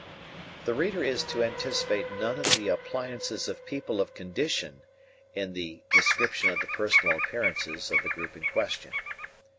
The reader is to anticipate none of the appliances of people of condition in the description of the personal appearances of the group in question.